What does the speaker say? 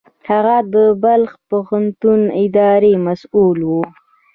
هغه د بلخ پوهنتون اداري مسوول و.